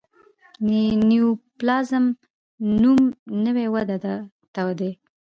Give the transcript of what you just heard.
د نیوپلازم نوم نوي ودې ته دی.